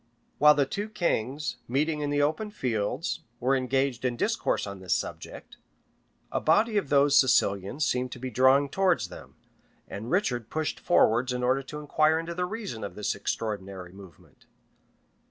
While the two kings, meeting in the open fields, were engaged in discourse on this subject, a body of those Sicilians seemed to be drawing towards them; and Richard pushed forwards in order to inquire into the reason of this extraordinary movement.